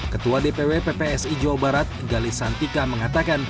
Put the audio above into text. ketua dpw ppsi jawa barat galis santika mengatakan